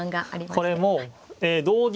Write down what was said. これも同銀。